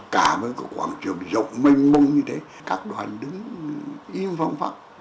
cả với cái quảng trường rộng mênh mông như thế các đoàn đứng im phong phát